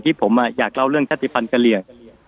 ที่ผมอยากเล่าเรื่องชาติภัณฑ์กะเหลี่ยง